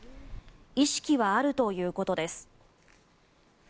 意識はあるということです。